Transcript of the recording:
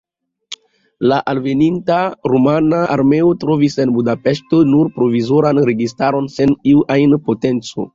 La alveninta rumana armeo trovis en Budapeŝto nur provizoran registaron sen iu ajn potenco.